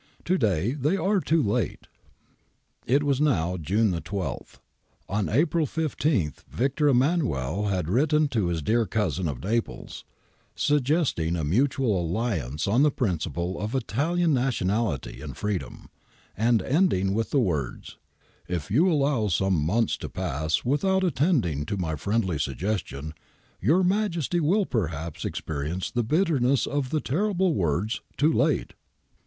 To day they are too late.* It was now June 12. On April 15 Victor Emmanuel had written to his 'dear cousin' of Naples, suggesting a mutual alliance on the principle of Italian nationality and freedom, and ending with the words :' If yuu allow some months to pass without attending to my friendly suggestion, your Majesty will perhaps experience the bitterness of the terrible words — too late.'